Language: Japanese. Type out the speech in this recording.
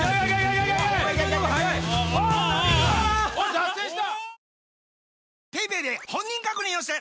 脱線した。